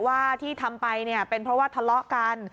ว่าที่ทำไปเนี่ยเป็นเพราะว่าทะเลาะกัน